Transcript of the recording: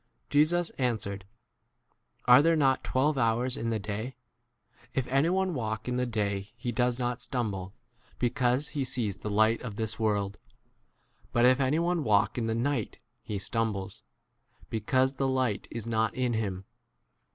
Jesus answered, Are there not twelve hours in the day ? If anyone walk in the day he does not stumble, because he sees the light of this 10 world ; but if anyone walk in the night he stumbles, because the 11 light is not in him.